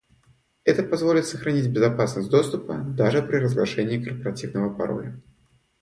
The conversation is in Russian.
Это позволит сохранить безопасность доступа даже при разглашении корпоративного пароля